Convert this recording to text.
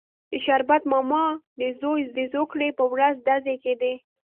د شربت ماما د زوی د زوکړې پر ورځ ډزې کېدې.